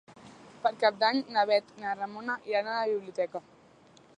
Per Cap d'Any na Bet i na Ramona iran a la biblioteca.